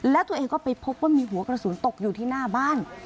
แล้วตัวเองก็ไปพบว่ามีหัวกระสุนตกอยู่ที่หน้าบ้าน